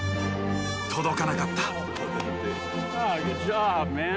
届かなかった。